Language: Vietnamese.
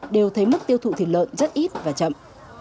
đều thấy mức tiêu thụ thịt lợn rất ít và chậm